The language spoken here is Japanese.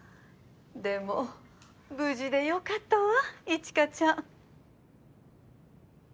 でも無事でよかったわ一華ちゃん。